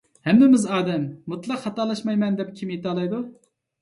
ھەممىمىز ئادەم. مۇتلەق خاتالاشمايمەن دەپ كىم ئېيتالايدۇ؟